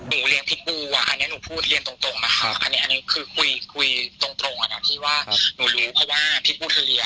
หนูเลี้ยงพิษบูอ่ะอันนี้หนูพูดเรียนตรงอ่ะครับอันนี้คือคุยตรงอ่ะนะครับที่ว่าหนูรู้เพราะว่าพิษบูเธอเลี่ย